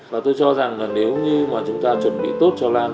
và tôi cho rằng là nếu như mà chúng ta chuẩn bị tốt cho lan